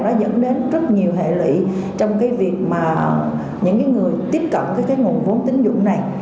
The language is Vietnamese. nó dẫn đến rất nhiều hệ lụy trong cái việc mà những cái người tiếp cận cái nguồn vốn tín dụng này